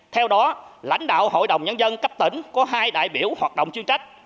theo đó lãnh đạo hội đồng nhân dân cấp tỉnh có hai đại biểu hoạt động chuyên trách